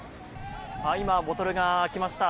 今、ボトルが開きました。